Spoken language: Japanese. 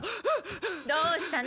どうしたの？